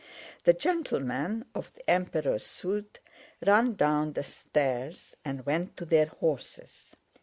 The gentlemen of the Emperor's suite ran down the stairs and went to their horses.